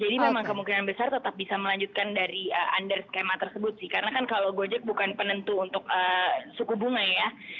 jadi memang kemungkinan besar tetap bisa melanjutkan dari under skema tersebut sih karena kan kalau gojek bukan penentu untuk suku bunga ya